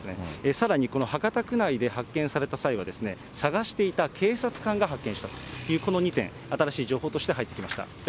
さらに、この博多区内で発見された際は、捜していた警察官が発見したという、この２点、新しい情報として入ってきました。